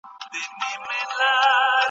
پخوانی نسل تر اوسني نسل قوي و.